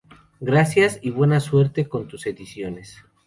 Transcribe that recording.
Gracias y buena suerte en tus ediciones.